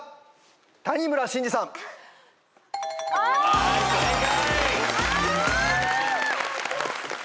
はい正解。